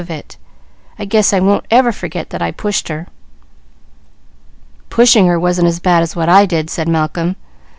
"I guess I won't ever forget that I pushed her." "Pushing her wasn't as bad as what I did," said Malcolm.